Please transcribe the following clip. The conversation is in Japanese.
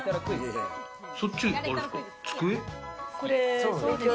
そっちはあれですか？